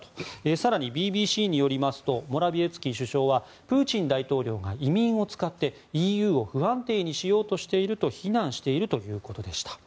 更に、ＢＢＣによりますとモラビエツキ首相はプーチン大統領が移民を使ってＥＵを不安定にしようとしていると非難しているということでした。